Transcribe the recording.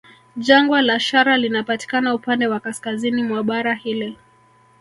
Jangwa la Shara linapatikana upande wa kaskazini mwa bara hili